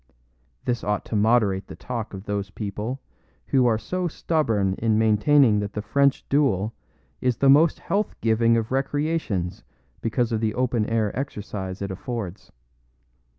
This ought to moderate the talk of those people who are so stubborn in maintaining that the French duel is the most health giving of recreations because of the open air exercise it affords.